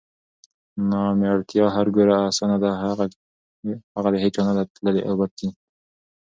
نامېړتیا هر ګوره اسانه ده هغه د هیچا نه نده تللې اونه ځي